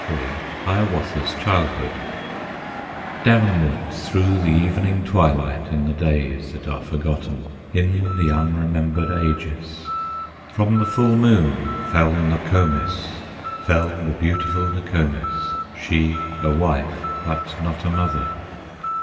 III Hiawatha's Childhood Downward through the evening twilight, In the days that are forgotten, In the unremembered ages, From the full moon fell Nokomis, Fell the beautiful Nokomis, She a wife, but not a mother.